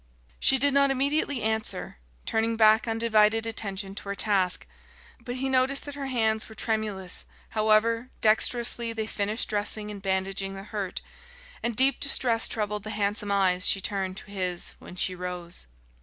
She did not immediately answer, turning back undivided attention to her task; but he noticed that her hands were tremulous, however, dextrously they finished dressing and bandaging the hurt; and deep distress troubled the handsome eyes she turned to his when she rose.